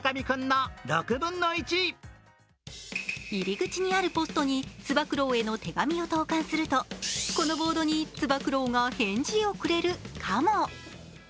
入り口にあるポストにつば九郎への手紙を投函すると、このボードにつば九郎が返事をくれるかも。